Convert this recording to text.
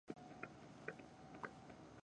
کعبه د نړۍ د مسلمانانو تر ټولو سپېڅلی ځای دی.